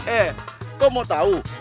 eh kau mau tahu